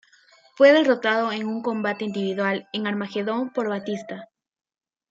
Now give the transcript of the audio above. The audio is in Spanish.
Fue derrotado en un combate individual en Armageddon por Batista.